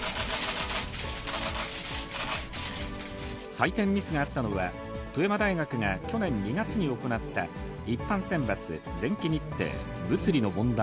採点ミスがあったのは、富山大学が去年２月に行った、一般選抜前期日程物理の問題